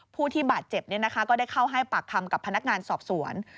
ผู้ที่บาดเจ็บก็ได้เข้าให้ปากคำกับพนักงานสอบสวน